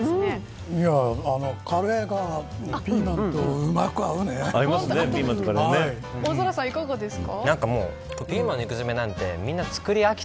カレーがピーマンと大空さん、いかがですか。